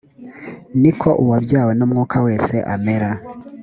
ni ko uwabyawe n’umwuka wese amera